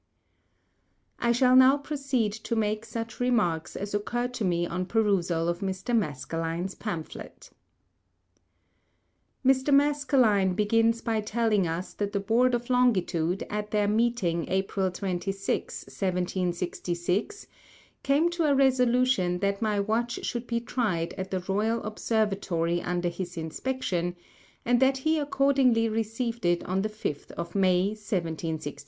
I shall now proceed to make such Remarks as occur to me on Perusal of Mr. _Maskelyne_ŌĆÖs Pamphlet. Mr. Maskelyne begins by telling us that the Board of Longitude, at their Meeting, April 26, 1766, came to a Resolution that my Watch should be tried at the Royal Observatory under his Inspection, and that he accordingly received it on the 5th of May, 1766.